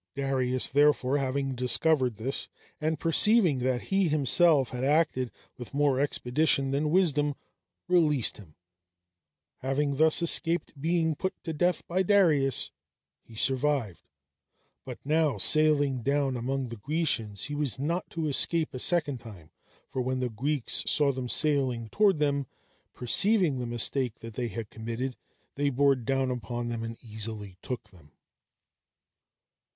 Darius, therefore, having discovered this, and perceiving that he, himself, had acted with more expedition than wisdom, released him. Having thus escaped being put to death by Darius, he survived; but now, sailing down among the Grecians, he was not to escape a second time; for when the Greeks saw them sailing toward them, perceiving the mistake they had committed, they bore down upon them and easily took them.